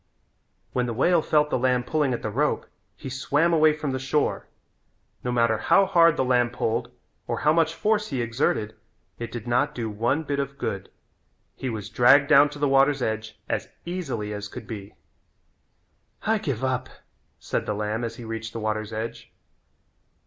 When the whale felt the lamb pulling at the rope he swam away from the shore. No matter how hard the lamb pulled or how much force he exerted it did not do one bit of good. He was dragged down to the water's edge as easily as could be. "I give up," said the lamb as he reached the water's edge.